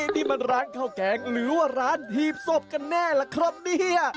นี่มันร้านข้าวแกงหรือว่าร้านหีบศพกันแน่ล่ะครับเนี่ย